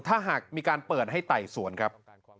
ถ้าหากมีการเปิดให้ไต่สวนครับ